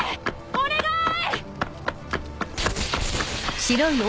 お願い！